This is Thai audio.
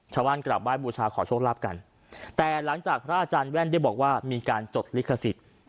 กลับไห้บูชาขอโชคลาภกันแต่หลังจากพระอาจารย์แว่นได้บอกว่ามีการจดลิขสิทธิ์